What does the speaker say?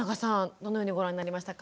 どのようにご覧になりましたか？